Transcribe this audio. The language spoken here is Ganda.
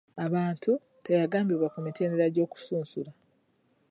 Abantu teyagambibwa ku mitendera gy'okusunsula.